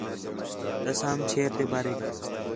ݙَسام چھیر تے باریک